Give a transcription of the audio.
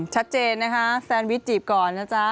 ชัดเจนนะคะแซนวิชจีบก่อนนะจ๊ะ